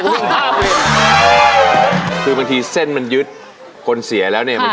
คือบางทีเส้นมันยึดคนเสียแล้วเนี่ย